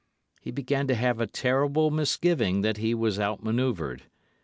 He began to have a terrible misgiving that he was out manoeuvred.